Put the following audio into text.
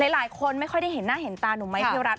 หลายคนไม่ค่อยได้เห็นหน้าเห็นตาหนุ่มไม้พี่รัฐ